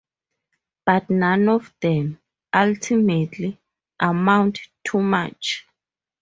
But none of them, ultimately, amount to much.